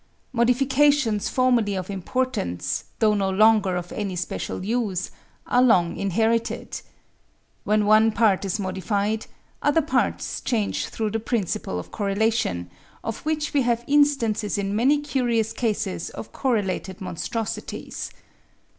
Modifications formerly of importance, though no longer of any special use, are long inherited. When one part is modified, other parts change through the principle of correlation, of which we have instances in many curious cases of correlated monstrosities.